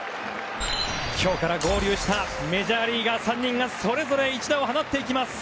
今日から合流したメジャーリーガー３人がそれぞれ一打を放っていきます。